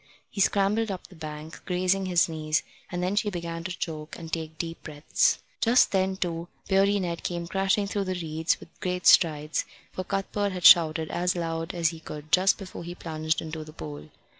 He scrambled up the bank, grazing his knees, and then she began to choke and take deep breaths. Just then, too, Beardy Ned came crashing through the reeds with great strides, for Cuthbert had shouted as loud as he could just before he plunged into the pool.